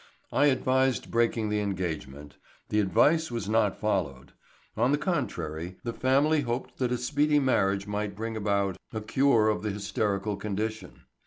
I advised breaking the engagement. The advice was not followed. On the contrary, the family hoped that a speedy marriage might bring about a cure of the hysterical condition.